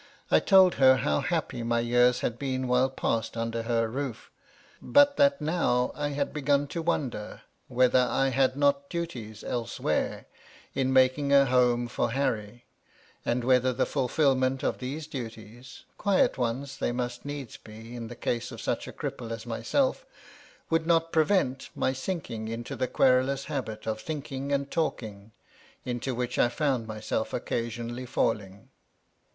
I told her how happy my years had been while passed under her roof; but that now I had begun to wonder whether I had not duties elsewhere, in making a home for Harry, — and whether the fulfilment of these duties, quiet ones they must needs be in the case of such a cripple as myself, would not prevent my sinking into the querulous habit of thinking and talking into which I found myself occasionally falling.